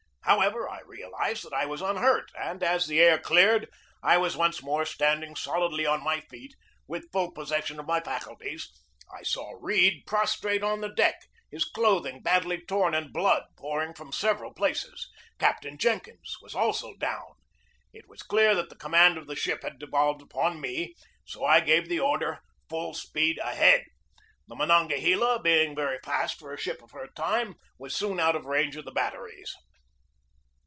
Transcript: However, I realized that I was unhurt, and as the air cleared and I was once ii2 GEORGE DEWEY more standing solidly on my feet, with full posses sion of my faculties, I saw Read prostrate on the deck, his clothing badly torn and blood pouring from several places. Captain Jenkins was also down. It was clear that the command of the ship had devolved upon me, so I gave the order, "Full speed ahead!" The Monongahela, being very fast for a ship of her time, was soon out of range of the batteries.